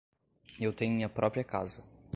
Eu tenho minha própria casa.